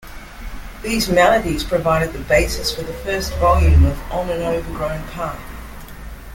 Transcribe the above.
These melodies provided the basis for the first volume of "On an Overgrown Path".